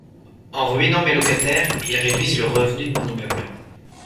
En ruinant mes locataires, ils réduisent le revenu de mon immeuble.